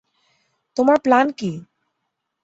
তোমার প্লান কি?